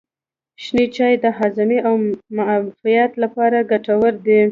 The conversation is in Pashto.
شنه چای د هاضمې او معافیت لپاره ګټور دی.